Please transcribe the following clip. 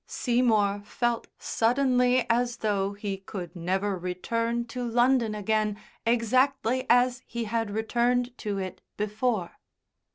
Seymour felt suddenly as though he could never return to London again exactly as he had returned to it before.